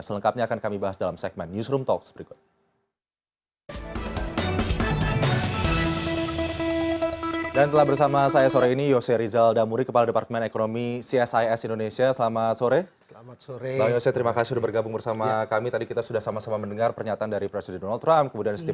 selengkapnya akan kami bahas dalam segmen newsroom talks berikut